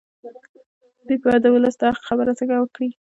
دوی به د ولس د حق خبره څنګه وکړي.